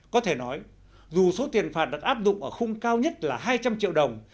có thể nói dù số tiền phạt được áp dụng ở khung cao nhất là hai trăm linh triệu đồng